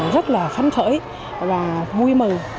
rất là phấn khởi và vui mừng